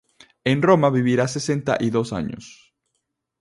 En Roma vivirá sesenta y dos años.